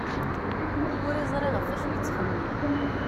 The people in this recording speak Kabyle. Ur yeẓri ɣef wacu i yettxemmim.